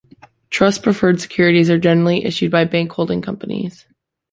Trust-preferred securities are generally issued by bank holding companies.